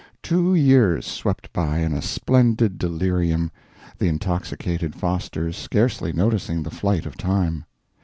Two years swept by in a splendid delirium, the intoxicated Fosters scarcely noticing the flight of time.